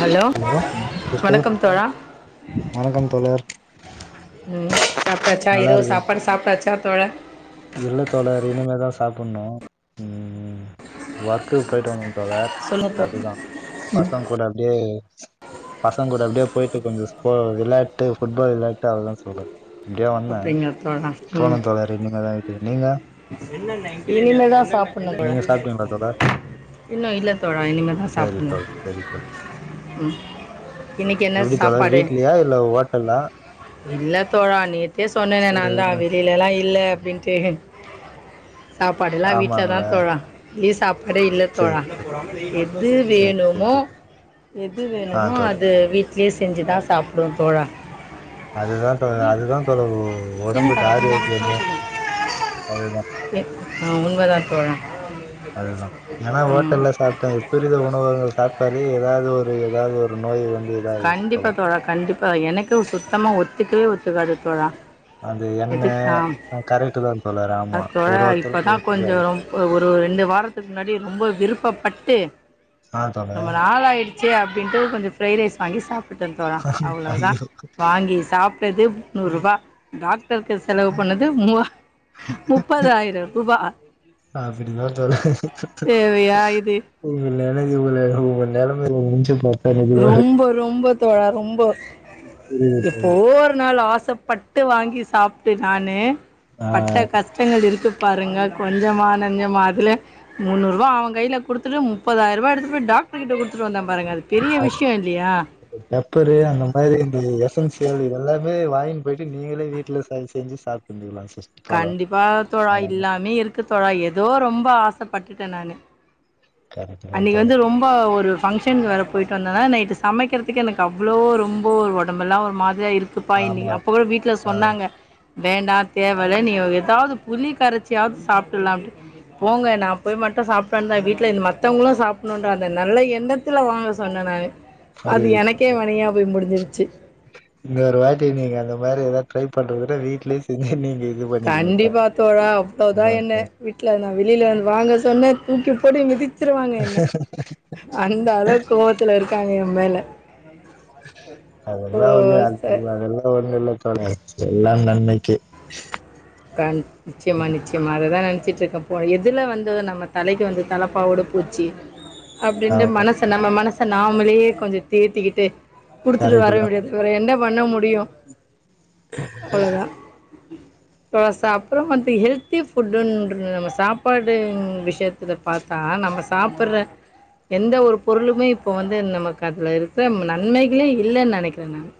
Hello sister வணக்கம் தோழா வணக்கம் தோழர் ம் சாப்டாச்சா நல்லா இரவு இருக்கு சாப்பாடு சாப்டாச்சா தோழா இல்ல தோழர் இனிமே தான் சாப்புனோ ம் வொர்க்கு போயிட்டு வந்தன் தோழர் சொல்லுங்க தோ அதுதான் பசங்க கூட அப்டியே பசங்க கூட அப்டியே போயிட்டு கொஞ்ச ஸ்போ விளையாட்டு ஃபுட் பால் விளையாட்டு அததான் தோழா அப்டியே வந்தன் போனன் தோழறே நீங்கதா இனிமேதான் சாப்புனோ தோழா நீங்க சாப்ட்டீங்களா தோழர் இன்னோ இல்ல தோழா இனிமேதான் சரி சாப்புனோ தோழர் சரி தோழர் ம் இனிக்கு என்ன எப்டி தோழர் சாப்பாடு வீட்லயா இல்ல ஹோட்டலா இல்ல தோழா நேத் நேத்தே சொன்னன்னே நான்ந்தா வெளிலல்லா இல்ல அப்டின்ட்டு சாப்பாடுல்லா வீட்ல தா ஆமாங்களா தோழா இங்கயே சாப்டடே இல்ல தோழா சரி சரி எது சரி வேணுமோ சரி தோழர் எது ஆ வேணுமோ தோழர் அது வீ ட்லயே செஞ்சு தா சாப்டுவ தோழா அதுதா தோழா அதுதா தோழி ஒடம்புக்கு ஆரோக்கியமே அதுதா ஆ உண்மதா தோழா ஆ த துரித உணவுங்க சாப்டாலே ஏதாவது ஒரு ஏதாவது ஒரு நோய் வந்து இதாயிரு கண்டிப்பா தோழர் தோழா கண்டிப்பா எனக்கு சுத்தமா ஒத்துக்கவே ஒத்துக்காது தோழா அந்த எண்ண எது ஆ கரெக்ட் தா தோழர் ஆமா ஒரு ஒருத்தர்க்கு ஒத்துக்காது ஒரு ஒரு ரெண்டு வாரத்துக்கு முன்னாடி ரொம்ப விருப்பப்பட்டு ஆ ரொம்ப தோழர் நாளாயிடு ச்சு அப்டின்ட்டு கொஞ்சோ ஃப்ரைட் ரைஸ் வாங்கி சாப் பிட்ட தோழா அவ்வளோ தா ஐயோ வாங்கி சாப்ட்டது முந்நூறுரூபா டாக் டருக்கு செலவு பண்ணது மூவா முப்பதாயிர ரூபா அப்படிதா தோழி தேவையா இது உங்க நெலமைய உங்க நெலமைகல நெனச்சி பாத்த ரொம்ப ரொம்ப தோழா ரொம்ப புரியுது எப்போ தோழர் ஒரு நாள் ஆசப்பட் ட்டு வாங்கி சாப்ட்டு நானு ஆ பட்ட கஸ் ஸ்டங்கள் இருக்கு பாருங்க கொஞ்சமா நஞ்சமா அதுல முந்நூரூபா அவன் கையில குடுத்துட்டு முப்பதாயிரூபா எடுத்துட்டு போய் டாக்டர்கிட்ட குடுத்துட்டு வந்த பாருங்க அது பெரிய விஷயம் இல்லையா இந்த பெப்பரு அந்த மாரி இந்த எசன்சியல் இத எல்லாமே வாங்கின்னு போயிட்டு நீங்களே வீட்டுல செஞ் செஞ்சு சாப் ந்துகளாம் சிஸ் தோழர் கண்டிப்பா தோழா ஆமா. இல்லாமே இருக்கு தோழா ஏதோ ரொம்ப ஆசப்பட்டுட்ட நானு கரெக்ட் தா அன்னைக்கு வந்து தோழர் ரொம் ப ஒரு ஃபங்க்ஷன் வேற போயிட்டு வந்தன்னா நைட்டு சமைக்கிறதுக்கு எனக்கு அவ்வளோ ரொம்ப ஒரு உடம்பெல்லா ஒரு மாதிரியா இருக் க்குப்பா இன்னை ஆமா அப்ப கூட வீட்டுல ஆ சொன்னாங்க வேண்டாம் தேவயில்லை நீ ஏதாவது புளி கரைச்சியாவது சாப்பிடலாம் அப்படி போங்க நா போய் மட்டும் சாப்பிட்டு வந்தா வீட்டுல இந்த மத் மத்தவுங்களும் சாப்பிடணும்ன்ற அந்த நல்ல எண்ணத்துல வாங்க சொன்ன நானு அது புரியுது எனக்கே தோழர் வெனையா போய் முடிஞ்சிருச்சு இன்னொரு வாட்டி நீங்க அந்த மாரி ஏதாவது ட்ரை பண்றத விட்டுஸ வீட்லயே செஞ்சு நீங்க இது பண்ணிக்கங்க கண்டிப்பா தோழர் தோழா அவ்வளவுதா என்ன வீட்ல இருதான் வெளியில இருந்து வாங்க சொன்ன தூக்கி போட்டு மிதிச்சிருவாங்க என்ன அந்த அளவுக்கு கோவத்துல இருக்காங்க என் மேல ஓ அதெல்லாம் ஒன்னு சார் அதெல்லாம் ஒன்னும் இல்ல தோழி எல்லாம் நன்மைக்கே கண் ச்சி மன்னிச்சி இனிம அததா நினைச்சிட்டு இருக்கேன் போ எதுல வந்து நம்ம தலைக்கு வந்து தலைப்பாவோடு போச்சி அப்டின்ட்டு ஆமா மனச நம்ம மனச நாமளே கொஞ்சம் தேத்திக்கிட்டு குடுத்துட்டு கரெக்ட் வர தா முடியாது இவர என்ன பண்ண முடியும் அவ்வளோதா இப்ப சாப்புட்றோம் வந்து ஹெல்த்தி ஃபுட்டு நம்ம சாப்பாடு விஷயத் துல பாத்தா நம்ம சாப்புட்ற எந்த ஒரு பொருளுமே இப்போ வந்து நமக்கு அதுல இருக்குற நன்மைகளே இல்லைன் நெனைக்கிற நானு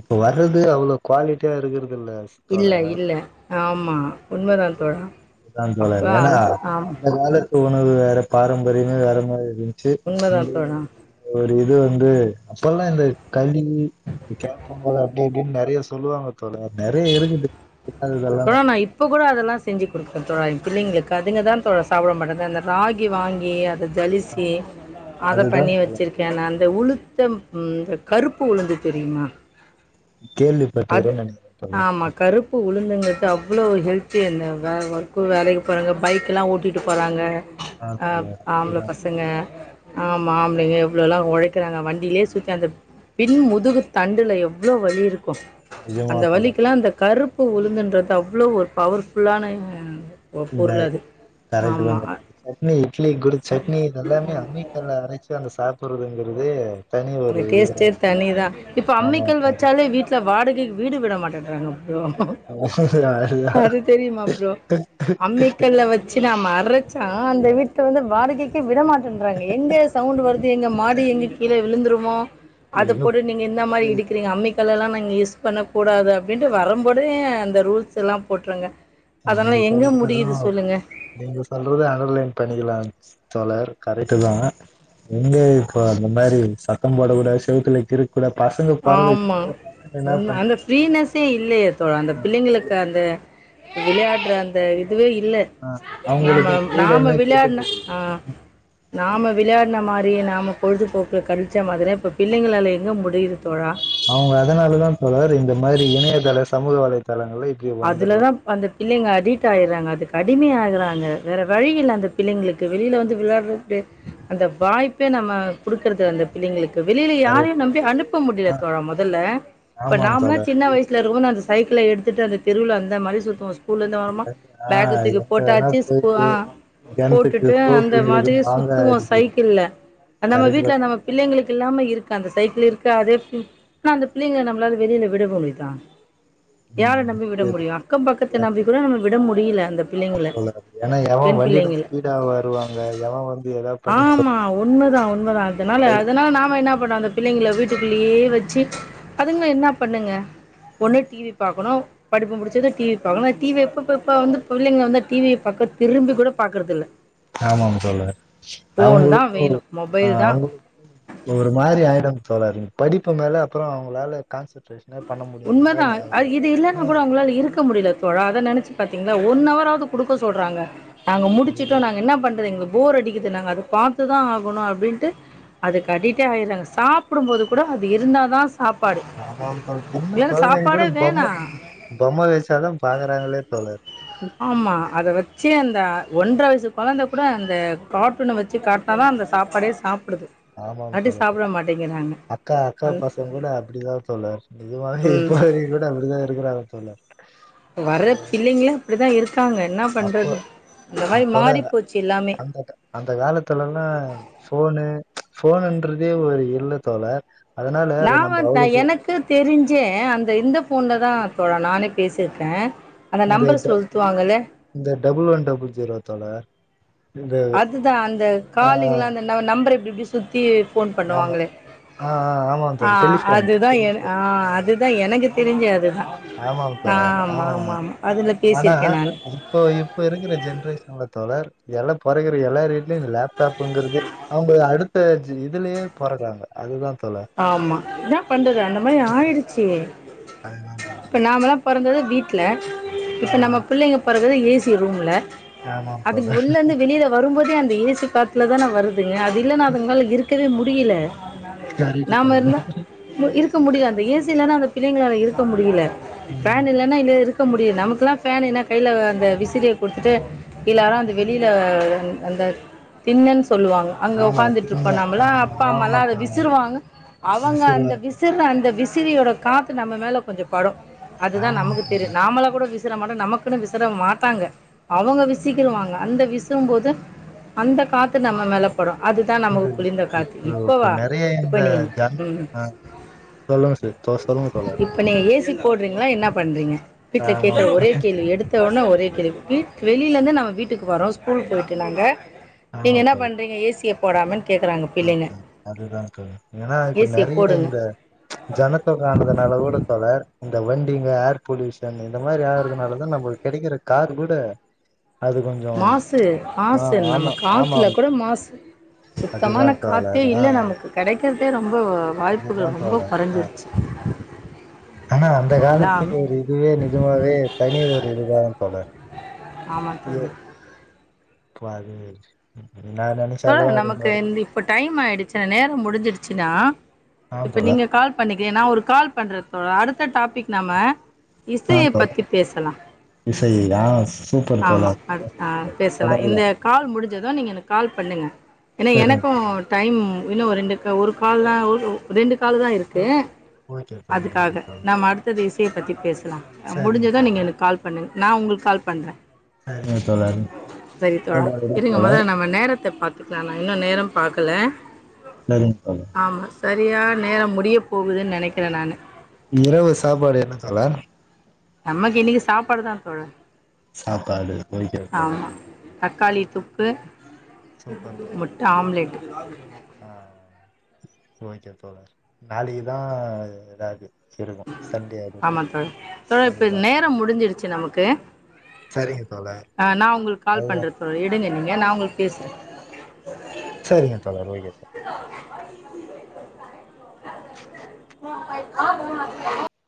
இப்போ வர்றது அவ்வளோ குவாலிட்டியா இருக்குறதில்ல இல்ல இல்ல ஆமா உண்மதா தோழா அதான் தோழர் அப்போ ஏன்னா அந்த ஆமாம் அந்த கால த்து உணவு வேற பாரம்பரியமே வேற மாதிரி இருந்துச்சு உண்மைதான் தோழா ஒரு இது வந்து அப்பெல்லாம் இந்த களி இந்த கேப்பங்கழி அப்படி இப்படின்னு நிறைய சொல்லுவாங்க தோழர் நிறைய இருக்குது இப்ப கூட அதெல்லாம் செஞ்சு கொடுக்குறேன் தோழா பிள்ளைங்களுக்கு அதுங்கதான் சாப்பிட மாட்டாது அந்த ராகி வாங்கி அது ஜலிசி அதை அதுதா பண்ணி தோழர் வச்சிருக் கேன் நான் அந்த உளுத்தம் இந்த கருப்பு உளுந்து தெரியுமா கேள்வி அது ஆமா கருப் பு உளுந்தங்கிறது அவ்வளோ ஹெல்த்தி என்ன அந்த ஒர்க்கு வேலைக்கு போறாங்க பைக்கெலாம் ஓட்டிகிட்டு போறாங்க ஆ அ தோழர் ஆம்பள அதுதா பசங்க ஆமா ஆம்பளைங்க எவ்ளோல்லாம் உழைக்கிறாங்க வண்டியிலேயே சுத்தி அந்த பின் முதுகு தண்டுல எவ்வளோ வலி இருக்கும் நிஜமா அந்த தோழர் வலிக்கெல்லாம் அந்த கருப் பு உளுந்துன்றது அவ்வளோ ஒரு பவர்ஃபுல்லான இந்த பொருள் அது கரெக்ட் தா ஆமா தோழர் இந்த சட்னி இட்லி கூட சட்னி இது எல்லாமே அம்மிக்கல்ல அரைச்சு அந்த சாப்பிடுறதுங்கிறது அந்த டேஸ்டே தனிதான் இப்ப ஆமா அம்மிக்கல் தோழர் வச்சாலே வீட் ல வாடகைக்கு வீடு விட மாட்டேன்டுறாங்க ப்ரோ அதுதா அது தெரியுமா ப்ரோ அம்மிக்கல்ல வச் சா நம்ம அறச்சா அந்த வீட்ல வந்து வாடகைக்கே விட மாட் டேன்றாங்க எங்க சவுண்ட் வருது எங்க மாடி எங்க கீழே விழுந்துருமோ அது எங்க போட்டு நீங்க இந்த மாதிரி போய் எஇடிக்கிறீங்க அம்மி க்கல் எல்லாம் இங்க யூஸ் பண்ணக் கூடாது அப்படின்ட்டு வரும்போதே அந்த ரூல்ஸ் எல்லாம் போட்டருங்க நீங்க அதெல்லாம் எங்க சொல்றது முடியுது சொல்லுங்க நீங்க சொல்றது அண்டர்லைன் பண்ணிக்கலாம் தோழர் கரெக்ட்டு தான் எங்க இப்ப அந்த மாறி சத்த போடக்கூடாது செவத்துல கிறு கூட பசங்க போற ஆமா. [inaudible] பசங்க இன்னா உண்ம. அந்த பண்றது ஃப்ரீனஸ்ஸே இல்லயேத் தோழா அந்த பிள்ளைங்களுக்கு அந்த விளையாடடற அந்த இதுவே இல்ல ஆஹ் நாம அவங்களுக்கும் நாம ஃப்ரீடமே கெட்டு விளையாடுன போகுது அ நாம விளையாடுன மாறி நாம பொழுதுபோக்கு கழிச்ச மாதிரி இப்ப பிள்ளைங்ளால எங்க முடியிது தோழா அவுங்க அதனாலதா தோழர் இந்த மாறி இணையதள சமூக வலைதளங்கள்ல அதுல தா அந்த பிள்ளைங்க அடிட் ஆயிறாங்க அதுக்கு அடிமை ஆகுறாங்க வேற வழியில்ல அந்த பிள்ளைங்களுக்கு வெளியில வந்து விளையாடு்றது பே அந்த வாய்ப்பே நம்ம குடுக்கறது அந்த அதுதான் பிள்ளைங்களுக்கு வெளியில கரெக்ட் யாரையு தான் நம்பி அனுப்ப முடியல தோழர். தோழா மொதல்ல இப்ப ஆமாம் நாமலா தொடர் சின்ன வயசுல இருக்கும்போது அந்த சைக்கிள்ள எடுத்துட்டு அந்த தெருவுல அந்த மாறி சுத்துவோ ஸ்கூல இருந்து ஆ வரோமா எங்க பேக்க ஆஹ் தூக்கி எங்க வேணா போட்டாச்சு ஸ்கூ போயிட்டு அ கிணத்துக்கு போட்டுட்டு தோப்பு அந்த உங்களுக்கு மாதிரி மாங்காய் சுத்துவோ அடிக்கிறது சைக்கிள்ள நம்ம கரெக்ட் வீட்ல தான் தோழர் நம்ம பிள்ளைங்களுக்கு இல்லாம இருக்கு அந்த சைக்கிள் இருக்கு அதே ஆனா அந்த பிள்ளைங்கள நம்மளால வெளியில விட முடிதா யார ம், நம்பி வி ட முடியாது. முடியோ அக்கம் பக்கத்த நம்பி ஏங்க, கூட நம்ம விட முடில அந்த ஆமாம் பிள்ளைங்கள தோழர் ஏன்னா எவன் பெண் வண்டியில பிள்ளைங்கள ஸ்பீடா வருவாங்க எவன் வந்து ஏதாவது பண்ணிட்டு ஆமா உண்மைதா உண்மைதா அதனால போயிருந்தாலே அதனால நாம என்னா பண்னோ அந்த பிள்ளைங்கள வீட்டுக்குள்ளேயே வச்சி அதுங்க என்னா பண்ணுங்க ஒண்ணு டி வி பாக்கனு படிப்பு முடிச்சது டி வி பாக்கனோ டி வி எப்பப்ப வந்து பிள்ளைங்க வந்து டி வி எப்ப பாப்ப பிள்ளைங்க வந்து டிவி ப் பக்க திரும்பி கூட பாக்கறதில்ல ஆமாம் தோழர் தா அவுங்களுக்கு வேணு மொபைல் தா அவுங்களு ஒரு மாரி ஆயிடு தோழர் படிப்பு மேல அப்பறோ அவுங்ளால கான்சன்ட்ரேஷன் உண்மதா அ இது இல்லன்னா கூட அவுங்ளால இருக்க முடியில தோழா அத நெனச்சு பாத்தீங்ளா ஒன் அவராது குடுக்க சொல்றாங்க நாங்க முடிச்சிட்டோ அது நாங்க இன்னா பண்றது எங்களுக்கு போர் அடிக்குது நாங்க அத பாத்துதா ஆகனோ அப்டின்ட்டு அதுக்கு அட்டிட்டே ஆயிறாங்க சாப்புடும் போது கூட அது இருந்தா தா சாப்பாடு ஆமாம் தோழர் சின்ன இல்லன்னா கொழந்தைங்க கூட சாப்பாடே வேணா பொம்ம பொம்ம வச்சாதா பாக்குறாங்களே தோழர் ஆமா அத வச்சு அந்த ஒன்ற வயசு கொழந்த கூட அந்த கார்டூன்ன வச்சு கா ட்னா தா அந்த சாப்பாடே சாப்பிடுது ஆமாம் இல்லாட்டி தோழர் சாப்ட மாட்டேங்கிது அக்கா அக்கா பசங்க கூட அப்டிதா தோழர் இது மாரி ம் [unintelligible] மாரி கூட அப்டிதா இருக்குறாங்க தோழர் இப்போ வர்ர ஐயோ பிள்ளைங்களே அப்டி தா இருக்காங்க இன்னாப் அப்போ பண்றது இந்த மாரி தோழர் மாறிப் போச்சு எல்லாமே அந்த கா- அந்த காலத்துலல்லா ஃபோன்னு ஃபோன்னுன்றதே ஒரு இல்ல தோழர் அதனால அது நம்ம அவளுக்கு க்கு தெரிஞ்சே அந்த இந்த ஃபோன்ல தா தோழா நானே பேசியிருக்க அந்த இந்த நம்பர் ட- சொலுத்துவாங்கள இந்த டபுள் ஒன் டபுள் ஜீரோ தோழர் இந்த அதுதா அந்த ஆ காலிங்லா அந்த ந நம்பர் இப்டி இப்டி சுத்தி ஃபோன் ஆமா. பண்ணுவாங்களே ஆ, ஆ ஆமாம் ஆ தோழர். டெலிஃபோன் அதுதா எ டெலிஃபோன். ஆ அதுதா எனக்கு தெரிஞ்சி அதுதா ஆமாம் ஆ தோழர். ஆமா ஆமா ஆமா அதுல பேசிருக்க நானு சோ இப்ப இருக்கிற ஜென்ரேஷன்ல தோழர் எல்லா பொறக்குற எல்லார்கை லயு இந்த லேப்டாப்ங்கிறது அவுங்க அடுத்த ஜி இதுலயு பொறக்குறாங்க அதுதா ஆமா இன்னாப் பண்றது அந்த மாரி ஆயிடுச்சி அதுதான் தோழர். இப்ப நாமல்லா பொறந்தது வீட்ல ஆ இப்ப நம்ம புள்ளைங்க பொறக்குறது ஏசி ரூம்ல ஆமாம் அதுங்க தோழர். உள்ள இருந்து வெளியில வரும்போதே அந்த ஏசி காத்துல தான வருதுங்க அது இல்லன்னா அதுங்ளால இருக்கவே முடியல கரெக்ட்டு நாம இருந்தா தோழர். இருக்க முடியல அந்த ஏசி இல்லன்னா அந்த பிள்ளைங்ளால இருக்க முடியல ம். ஃபேன் இல்ல ன்னா இருக்க முடியல நமக்குல்லா பேன் இன்னா கையில அந்த விசிறிய குடுத்துட்டு எல்லாறோ அந்த வெளியில அந்த தின்னன்னு சொல்லுவாங்க அங்க ஆமா உண்ம. உக்காந்துட்டுருப்போ ஆ நம்மளா அப்பா ஆமா அம்மாலா அத தோழர். விசுறுவாங்க அவங்க அந்த விசிறுவர். விசுற அந்த விசிறியோட காத்து நம்ம மேல கொஞ்ச படு அதுதா ஆமாம் நமக்கு தெரியு தோழர். நாமள கூட விச வட மாட்டோ நமக்குன்னு விசற மாட்டாங்க அவங்க விசிக்கிருவாங்க அந்த விசும் போது அந்த காத்து நம்ம மேலப்படு அதுதா நமக்கு இது குளிந்த காத்து இப்போ இப்போ இப்பவா நெறைய இந்த ஜ ஆ சொல்லுங்க சார் தோ சொல்லுங்க தோழர் இப்ப நீங்க ஏசி போடுறீங்களா என்னா பண்றிங்க வீட்ல கேக்குற ஆமாம் ஒரே தோழர். கேள்வி எடுத் த ஒனே ஒரே திரிவு வீட்டுக்கு வெளியிலேருந்து நம்ம வீட்டுக்கு வரோ ஸ்கூல் போயிட்டு நாங்க நீங்க ஆமாம் என்ன தோழர். பண்றீங்க ஏ சிய போடாமன்னு கேக்குறாங்க பிள்ளைங்க அதுதான்க்கா ஏன்னா இப்ப ஏசியை நெறைய போடுங்க இந்த ஜனத்தொக ஆனதுனால கூட தோழர் இந்த வண்டிங்க ஏர் பொல்யூஷன் இந்த மாதிரி ஆகுறதுனாலதான நம்மளுக்கு கெடைக்கிற கார் கூட அது கொஞ்சோ மாசு ஆ மாசு ஆமா நம்ம ஆமா காத்துல கூட மாசு அதுதா சுத்தமான காத்தே தோழர் ஆ இல்ல நமக்கு கெடைக்கறதே ரொம்போ அதுதா தோழர் ஆ ஆனா அந்த காலத்து எல்லாமே ஒரு இதுவே நிஜமாவே தனி ஒரு இதுதா தோழர் ஆமாம் எ தோணும் [unintelligible] நான் நெனைச்ச அளவு தோழர் அது நமக்கு மாதிரி இந்த இப்ப டைம் ஆயிடுச்சா நேரோம் முடிஞ்சுடுச்சுடா ஆ இப்ப தோழர் நீங்க கால் பண்ணிக்கிறே நா ஒரு கால் பண்றப்பா அடுத்த டாபிக் நம்ம ஆ இசய தோழர் பத்தி பேசலா இசை ஆ சூப்பர் ஆமா தோழர் அடுத் ஆ பேசலாம் என்ன தொடரலா கால் முடுஞ்சதும் நீங்க எனக்கு கால் பண்ணுங்க ஏன்னா சரிங்க எனக்கும் தோழர் டைம் இன்னும் ரெண்டு ஒரு கால் தான் ரெண்டு கால் தான் இருக்கு ஓகே தோழர் ஓகே அதுக்காக தோழர் நாம்ம அடுத்தது இசைய பத்தி பேசலாம் சரிங்க முடிஞ்சதான் தோழர் நீங்க எனக்கு கால் பண்ண பண்ணுங்க நான் உங்களுக்கு கால் பண்றே சரிங்க தோழர் சரி தோழா சாப்பாடு என்ன இருங்க தோழர் முதல்ல நம்ம நேரத்த த்த பாத்துக்கலாநா இன்னும் நேரோம் பாக்கல சரிங்க தோழி ஆமா சரியா நேரோ முடிய போகுதுன்னு நெனைக்கிறே நான் இரவு சாப்பாடு என்ன தோழர் நம்க்கு இன்னைக்கு சாப்பாடு தா தோழர் சாப்பாடு கொதிக்குது போல தக்காளிதொக்கு சூப்பர் தோழர் முட்ட ஆம்லெட் ஆ ஆ ஓகே தோழர் நாளைக்குதான் இதாது இருக்கு சண்டே அதுக்கு ஆமா தோழர் தோழர் இப்ப அதுதா தோழர் நேரோம் முடுஞ்சிடுச்சு நமக்கு சரிங்க தோழர் ஆ நா உங்களுக்கு கால் அதுதா பண்றே தோழி எடுங்க நீங்க நான் உங்களுக்கு பேசுறேன் சரிங்க தோழர் ஒகே [inaudible]